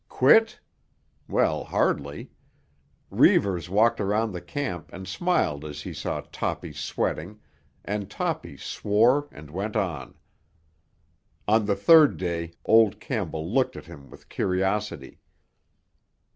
Quit? Well, hardly. Reivers walked around the camp and smiled as he saw Toppy sweating, and Toppy swore and went on. On the third day old Campbell looked at him with curiosity.